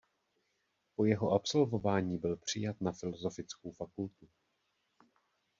Po jeho absolvování byl přijat na filosofickou fakultu.